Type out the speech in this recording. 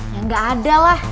ya gak ada lah